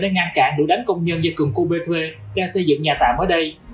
để ngăn cản đủ đánh công nhân do cường cô bê thuê đang xây dựng nhà tạm ở đây